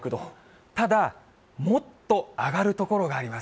ただ、もっと上がる所があります。